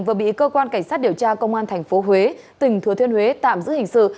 vừa bị cơ quan cảnh sát điều tra công an tp huế tỉnh thừa thiên huế tạm giữ hình sự